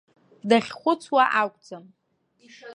Дахьхәыцуа акәӡам.